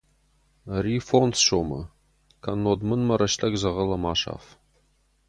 Ӕри фондз сомы, кӕннод мын мӕ рӕстӕг дзӕгъӕлы ма саф!